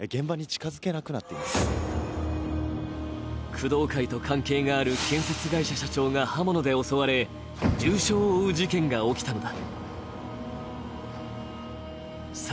工藤会と関係がある建設会社社長が刃物で襲われ、重傷を負う事件が起きたのだ。